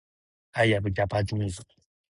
Olsen had a recurring role on "Weeds".